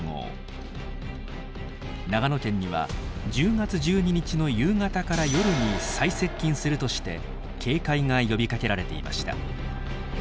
長野県には１０月１２日の夕方から夜に最接近するとして警戒が呼びかけられていました。